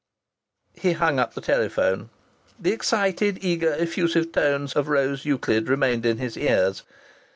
He hung up the telephone. The excited, eager, effusive tones of Rose Euclid remained in his ears.